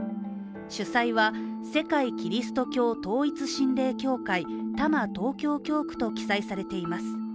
主催は世界基督教統一神霊協会多摩東京教区と記載されています。